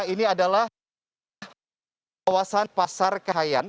ini adalah kawasan pasar kahayan